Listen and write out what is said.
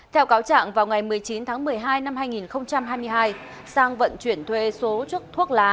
theo cáo trạng vào ngày một mươi chín tháng một mươi hai năm hai nghìn hai mươi hai sang vận chuyển thuê số chất thuốc lá